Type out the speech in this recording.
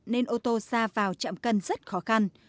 nên ô tô ra vào trạm cân rất khó khăn